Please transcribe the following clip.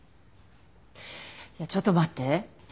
ちょっと待って。